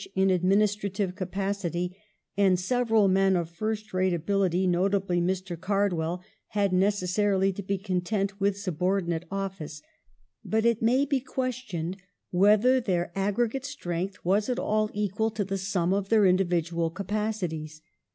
1865] GLADSTONE'S FIRST BUDGET 215 in administrative capacity, and several men of first rate ability, notably Mr. Card well, had necessarily to be content with subordin ate office, but it may be questioned whether their aggregate strength was at all equal to the sum of their individual capacities.